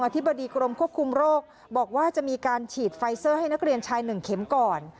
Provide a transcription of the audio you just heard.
ธิบดีกรมควบคุมโรคบอกว่าจะมีการฉีดไฟเซอร์ให้นักเรียนชาย๑เข็มก่อน